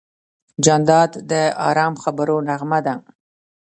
جانداد د ارام خبرو نغمه ده.